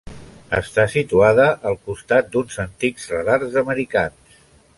Està situada al costat d'uns antics radars americans.